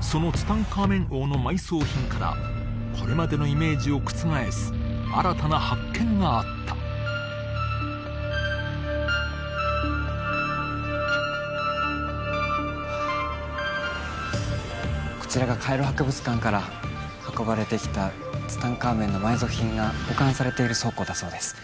そのツタンカーメン王の埋葬品からこれまでのイメージを覆す新たな発見があったこちらがカイロ博物館から運ばれてきたツタンカーメンの埋蔵品が保管されている倉庫だそうです